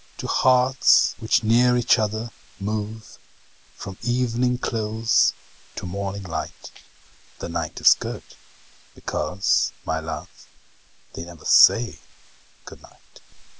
To hearts which near each other move From evening close to morning light, The night is good; because, my love, They never say good night.